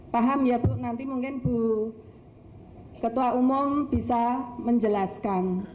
paham ya bu nanti mungkin bu ketua umum bisa menjelaskan